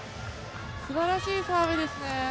すばらしいサーブですね。